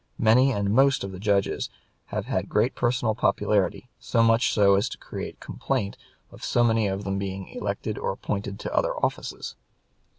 Many and most of the judges have had great personal popularity so much so as to create complaint of so many of them being elected or appointed to other offices.